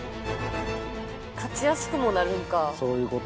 勝ちやすくもなるんか。